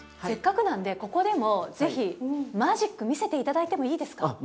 せっかくなんでここでも是非マジック見せて頂いてもいいですか？